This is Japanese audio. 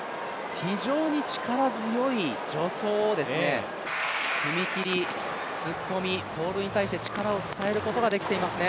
非常に力強い助走、踏み切り、突っ込み、ポールに対して力を伝えることができていますね。